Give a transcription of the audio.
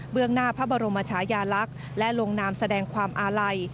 เบื้องหน้าพระบรมชายหลักและลงนามแสดงความอาไหล